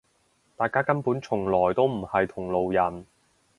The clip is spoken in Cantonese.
大家根本從來都唔係同路人